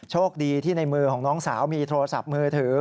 โชคดีที่ในมือของน้องสาวมีโทรศัพท์มือถือ